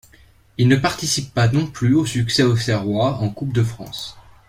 Il ne participe pas non plus au succès auxerrois en Coupe de France.